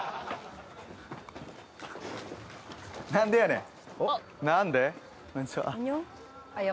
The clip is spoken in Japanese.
何でやねん。